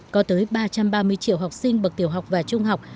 có tới ba trăm ba mươi triệu học sinh bậc tiểu học và trung học